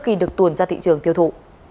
khi được tuồn ra thị trường thiêu thụ